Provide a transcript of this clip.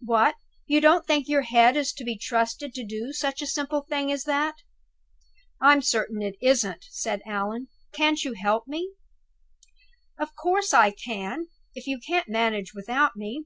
What! you don't think your head is to be trusted to do such a simple thing as that?" "I'm certain it isn't," said Allan. "Can't you help me?" "Of course I can, if you can't manage without me!